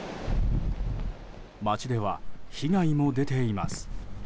街では被害も出ています。